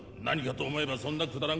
何かと思えばそんなく